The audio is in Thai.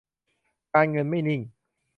การเงินไม่นิ่ง